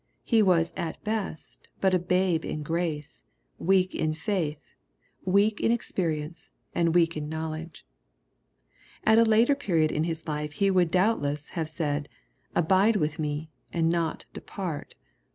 He was, at best, but a babe in grace, weak in faith, weak in ex perience, and weak in knowledge. At a latex period in his life he would, doubtless, have said, '^ Abide with me," and not, '^ depart."